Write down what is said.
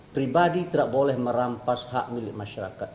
pribadi tidak boleh merampas hak milik masyarakat